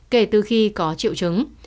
kể từ khi có triệu chứng